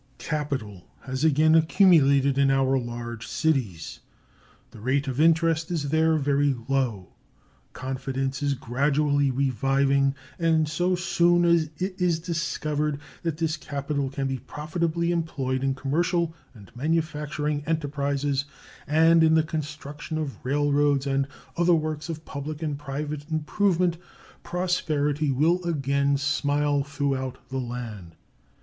Capital has again accumulated in our large cities. The rate of interest is there very low. Confidence is gradually reviving, and so soon as it is discovered that this capital can be profitably employed in commercial and manufacturing enterprises and in the construction of railroads and other works of public and private improvement prosperity will again smile throughout the land.